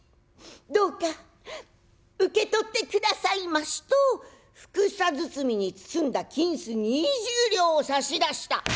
どうか受け取ってくださいまし」とふくさ包みに包んだ金子２０両を差し出した。